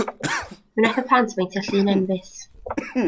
Mi wnaeth y plant beintio llun enfys.